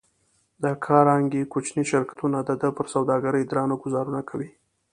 د کارنګي کوچني شرکتونه د ده پر سوداګرۍ درانه ګوزارونه کوي.